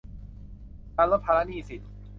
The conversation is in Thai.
การลดภาระหนี้สิน